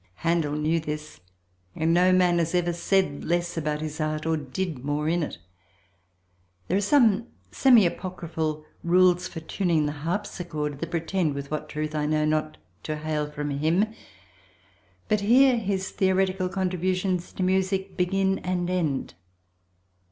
Handel knew this and no man ever said less about his art—or did more in it. There are some semi apocryphal rules for tuning the harpsichord that pretend, with what truth I know not, to hail from him, but here his theoretical contributions to music begin and end.